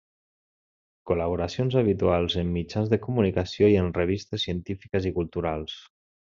Col·laboracions habituals en mitjans de comunicació, i en revistes científiques i culturals.